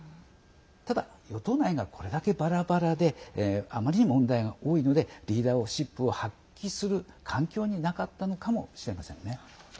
ただ与党内がこれだけバラバラであまりに問題が多いのでリーダーシップを発揮する環境になかったのかもしれませんね。